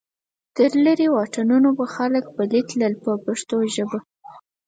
تر لرې واټنونو به خلک پلی تلل په پښتو ژبه.